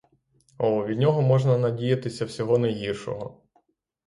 О, від нього можна надіятися всього найгіршого.